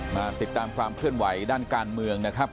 มาติดตามความเคลื่อนไหวด้านการเมืองนะครับ